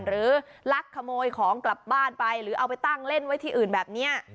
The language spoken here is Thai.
ลักขโมยของกลับบ้านไปหรือเอาไปตั้งเล่นไว้ที่อื่นแบบนี้